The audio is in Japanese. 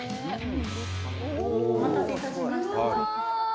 お待たせ致しました